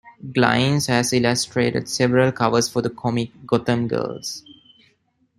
Glines has illustrated several covers for the comic "Gotham Girls".